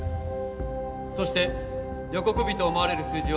そして予告日と思われる数字は６１１。